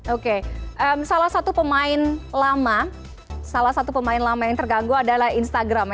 oke salah satu pemain lama salah satu pemain lama yang terganggu adalah instagram